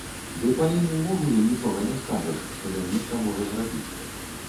Ды па ім увогуле нічога не скажаш, што ён нешта можа зрабіць.